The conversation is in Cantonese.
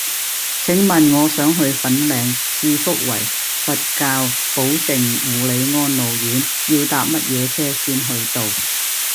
請問我想去粉嶺置福圍佛教寶靜護理安老院要搭乜嘢車先去到